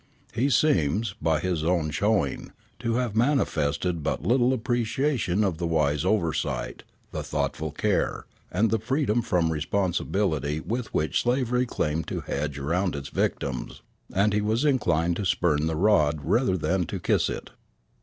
He seems, by his own showing, to have manifested but little appreciation of the wise oversight, the thoughtful care, and the freedom from responsibility with which slavery claimed to hedge round its victims, and he was inclined to spurn the rod rather than to kiss it.